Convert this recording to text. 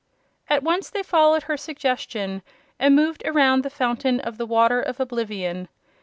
At once they followed her suggestion and moved around the fountain of the Water of Oblivion.